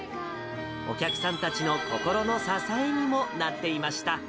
お客さんたちの心の支えにもなっていました。